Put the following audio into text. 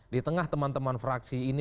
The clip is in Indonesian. di tengah teman teman fraksi ini